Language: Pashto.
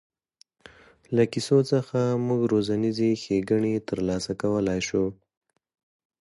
له کیسو څخه موږ روزنیزې ښېګڼې تر لاسه کولای شو.